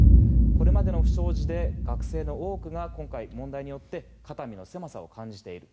これまでの不祥事で学生の多くが今回、問題によって肩身の狭さを感じている。